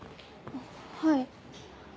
はい。